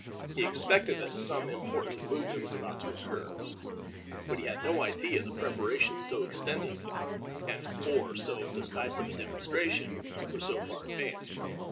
He expected that some important movement was about to occur, but he had no idea that preparations so extended, and for so decisive a demonstration, were so far advanced.